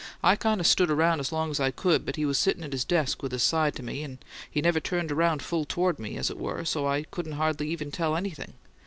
I kind of stood around as long as I could, but he was sittin' at his desk with his side to me, and he never turned around full toward me, as it were, so I couldn't hardly even tell anything.